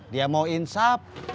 dia mau insap